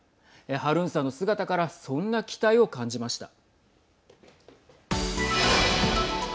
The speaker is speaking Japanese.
ハルーンさんの姿からそんな期待を感じました。